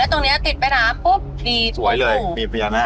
แล้วตรงนี้ติดไปนะปุ๊บมีสวยเลยมีพญานาค